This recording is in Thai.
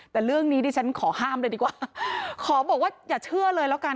แต่เรื่องนี้ดิฉันขอห้ามเลยดีกว่าขอบอกว่าอย่าเชื่อเลยแล้วกัน